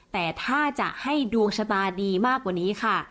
แต่ถ้าจะให้ดวงชะตาดีมากกว่านี้ค่ะ